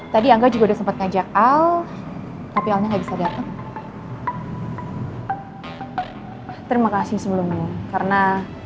tadi angga juga sempat ngajak al tapi hanya bisa datang terima kasih sebelumnya karena